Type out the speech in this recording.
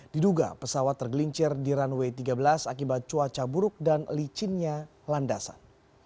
diduga pesawat tergelincir di runway tiga belas akibat cuaca buruk dan licinnya landasan